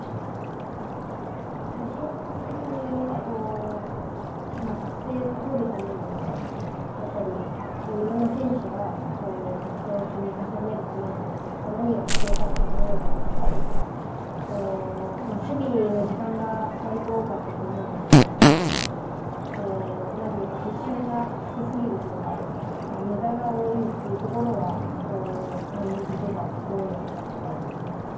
個人的に結構、得点を取るためにやっぱりいろんな選手が得点を積み重ねるために何が必要かって考えたときに、守備の時間が割と多かったと思うんですけれども、ポジションが低すぎるというか、無駄が多いというところは、感じてたところだったので。